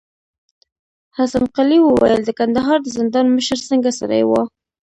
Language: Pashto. حسن قلي وويل: د کندهار د زندان مشر څنګه سړی و؟